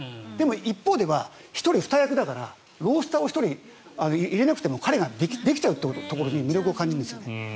一方で一人二役だからロースターを１人入れなくても彼ができちゃうというところに魅力を感じるんです。